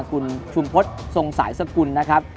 คุณชุมพฤษทรงสายสกุลนะครับ